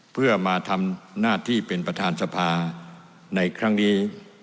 เพื่อมาทำหน้าที่เป็นประธานสภาในครั้งนี้